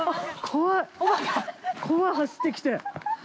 怖い、走ってきて。